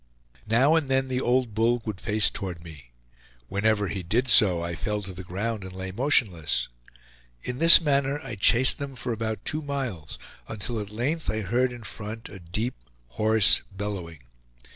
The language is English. Now and then the old bull would face toward me; whenever he did so I fell to the ground and lay motionless. In this manner I chased them for about two miles, until at length I heard in front a deep hoarse bellowing.